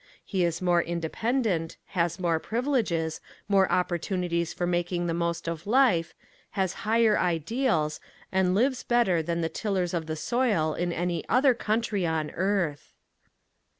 He is more independent, has more privileges, more opportunities for making the most of life, has higher ideals, and lives better than the tillers of the soil in any other country on earth.